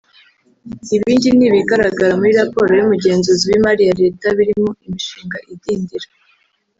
Ibindi ni ibigaragara muri raporo y’Umugenzuzi w’imari ya Leta birimo imishinga idindira